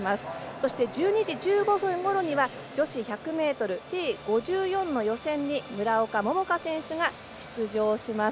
そして、１２時１５分ごろには女子１００ｍＴ５４の予選に村岡桃佳選手が出場します。